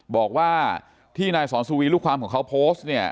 บอกว่าที่นายสอนสุวีลูกความของเขาโพสต์เนี่ย